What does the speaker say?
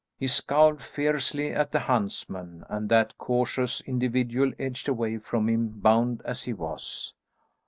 He scowled fiercely at the huntsman, and that cautious individual edged away from him, bound as he was.